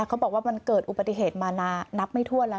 เขาบอกว่ามันเกิดอุบัติเหตุมานับไม่ทั่วแล้ว